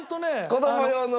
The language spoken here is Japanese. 子供用の？